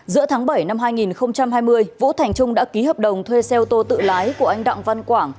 giữa tháng bảy năm hai nghìn hai mươi vũ thành trung đã ký hợp đồng thuê xe ô tô tự lái của anh đặng văn quảng